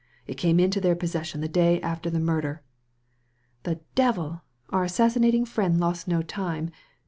It came into their possession the day after the murder.'* " The devil 1 Our assassinating friend lost no time.